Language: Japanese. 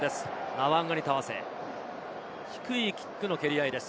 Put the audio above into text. ナワンガニタワセ、低いキックの蹴りあいです。